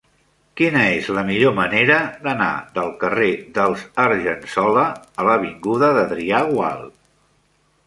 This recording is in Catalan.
Quina és la millor manera d'anar del carrer dels Argensola a l'avinguda d'Adrià Gual?